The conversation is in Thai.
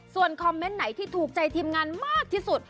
ส่วนคอมเมนต์ไหนที่ถูกใจทีมงานมากที่สุด